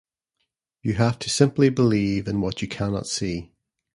You have to simply believe in what you can not see